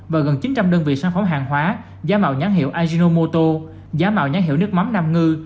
và gần chín trăm linh đơn vị sản phẩm hàng hóa giá màu nhán hiệu ajinomoto giá màu nhán hiệu nước mắm nam ngư